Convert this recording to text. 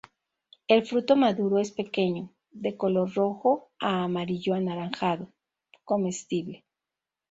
El fruto maduro es pequeño, de color rojo a amarillo-anaranjado, comestible.